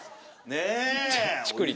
ねえ！